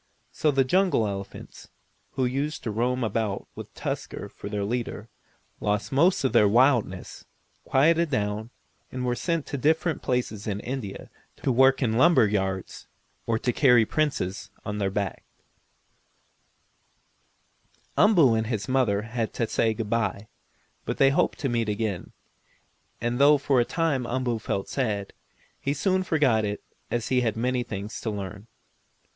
So the jungle elephants, who used to roam about with Tusker for their leader, lost most of their wildness, quieted down, and were sent to different places in India to work in the lumber yards, or to carry Princes on their backs. Umboo and his mother had to say good bye, but they hoped to meet again, and though for a time Umboo felt sad, he soon forgot it as he had many things to learn.